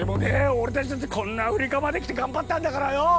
俺たちだってこんなアフリカまで来て頑張ったんだからよ！